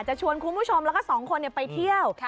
ชวนคุณผู้ชมแล้วก็สองคนไปเที่ยว